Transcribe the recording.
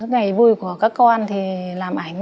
ngày vui của các con thì làm ảnh